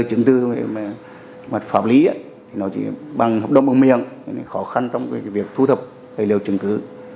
chứng tư pháp lý chỉ bằng hợp đồng bằng miệng khó khăn trong việc thu thập lời liệu chứng cứ